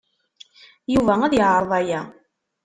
Yuba ad yeɛreḍ aya.